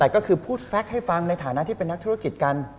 ก็คือพูดแฟคให้ฟังในฐานะที่เป็นนักธุรกิจกัน